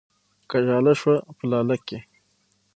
که ژاله شوه په لاله کې